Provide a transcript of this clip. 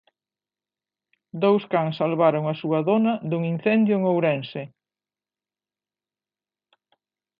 Dous cans salvaron a súa dona dun incendio en Ourense.